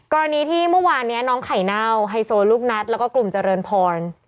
กรณีที่เมื่อวานนี้น้องไข่เน่าไฮโซลูกนัดแล้วก็กลุ่มเจริญพร